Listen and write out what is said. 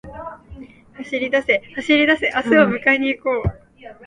走りだせ、走りだせ、明日を迎えに行こう